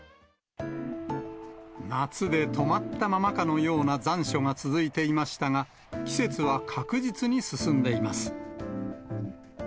夏で止まったままかのような残暑が続いていましたが、季節は確実に進んでいます。